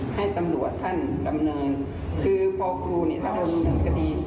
ให้ตำรวจท่านดำเนินคือพ่อครูนี่ถ้าลงทางคดี